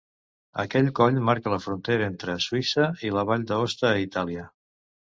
Aquell coll marca la frontera entre Suïssa i la Vall d'Aosta, a Itàlia.